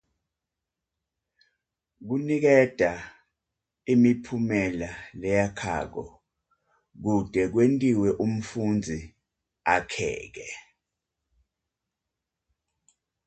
Kuniketa imiphumela leyakhako kute kwentiwe umfundzi akheke.